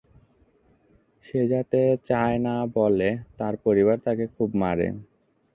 সে যাতে চায় না বলে তার পরিবার তাকে খুব মারে।